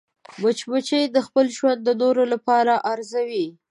مچمچۍ خپل ژوند د نورو لپاره ارزوي